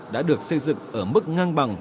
đã được xây dựng ở mức ngang bằng